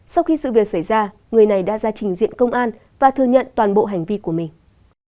sau khi sự việc xảy ra người này đã ra trình diện công an và thừa nhận toàn bộ hành vi của mình